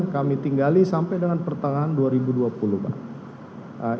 kami tinggali sampai dengan pertengahan dua ribu dua puluh pak